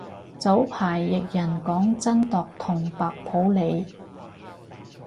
早排譯人講真鐸同白普理